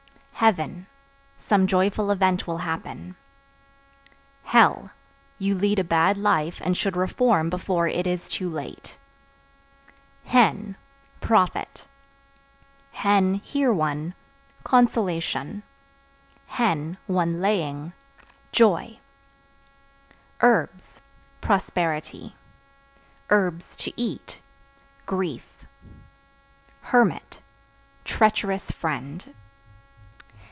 Heaven Some joyful event will happen. Hell You lead a bad life and should reform before it is too late. Hen Profit; (hear one) consolation; (one laying) joy. Herbs Prosperity; (to eat) grief. Hermit Treacherous friend.